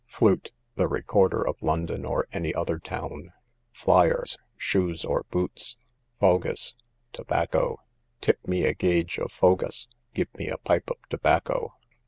Flute, the recorder of London, or any other town. Flyers, shoes or boots. Fogus, tobacco: tip me a gage of fogus; give me a pipe of tobacco.